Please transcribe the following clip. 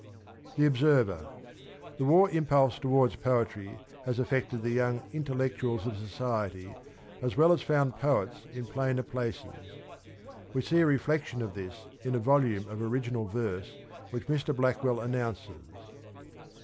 THE OBSERVER. The war impulse towards poetry has affected the young 'intellectuals' of society as well as found poets in plainer places. We see a reflection of this in a volume of original verse which Mr. Blackwell announces.